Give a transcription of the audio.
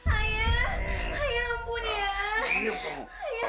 ayah ayah ampun ya